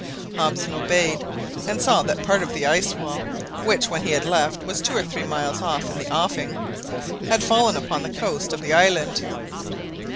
Hobson obeyed, and saw that part of the ice wall, which, when he left, was two or three miles off in the offing, had fallen upon the coast of the island.